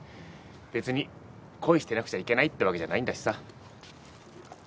別に恋してなくちゃいけないってわけじゃないんだしさ。